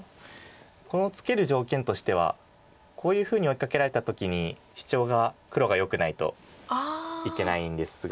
このツケる条件としてはこういうふうに追いかけられた時にシチョウが黒がよくないといけないんですが。